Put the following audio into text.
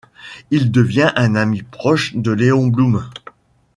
Il devient un ami proche de Léon Blum.